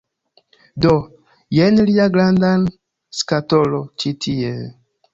Do, jen lia grandan skatolo ĉi tie...